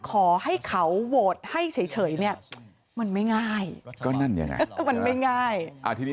ขอให้เขาโหวตให้เฉยเนี่ยมันไม่ง่ายมันไม่ง่ายอาทิตย์นี้